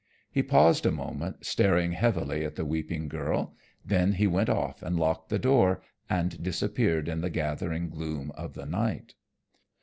He paused a moment, staring heavily at the weeping girl, then he went off and locked the door and disappeared in the gathering gloom of the night.